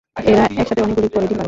এরা একসাথে অনেকগুলি করে ডিম পাড়ে।